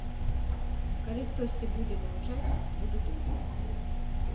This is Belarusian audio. Калі хтосьці будзе вылучаць, буду думаць.